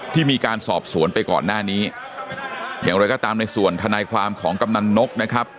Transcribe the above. ที่มีการสอบสวนไปก่อนหน้านี้อย่างไรก็ตามในส่วนทนายความของกำนันนกนะครับ